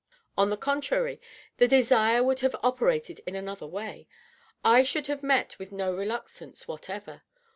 On the contrary, the desire would have operated in another way. I should have met no reluctance whatever.